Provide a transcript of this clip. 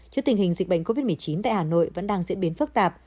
trước tình hình dịch bệnh covid một mươi chín tại hà nội vẫn đang diễn biến phức tạp